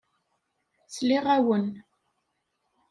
Sliɣ-awen.